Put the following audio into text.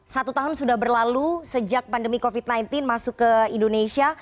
satu tahun sudah berlalu sejak pandemi covid sembilan belas masuk ke indonesia